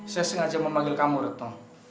saya sengaja memanggil kamu retno